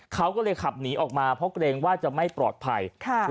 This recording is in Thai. เขาก็เลยขับหนีออกมาเพราะเกรงว่าจะไม่ปลอดภัย